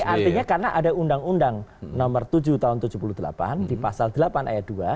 jadi artinya karena ada undang undang nomor tujuh tahun seribu sembilan ratus tujuh puluh delapan di pasal delapan ayat dua